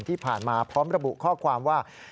ที่ผ่านมาพร้อมระบุข้อความว่า